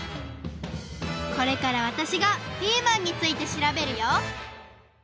これからわたしがピーマンについてしらべるよ！